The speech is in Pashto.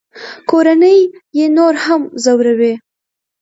کورنۍ یې نور هم ځوروي